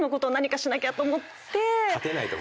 勝てないと。